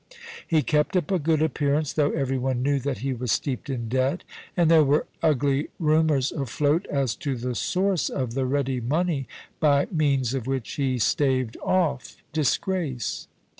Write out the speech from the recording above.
He kept up a good appearance, though everyone knew that he was steeped in debt, and there were ugly rumours afloat as to the source of the ready money by means of which he staved off disgrace.